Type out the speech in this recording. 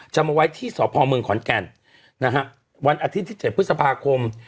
มาไว้ที่สพเมืองขอนแก่นนะฮะวันอาทิตย์ที่๗พฤษภาคม